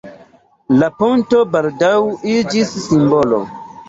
La ponto baldaŭ iĝis simbolo.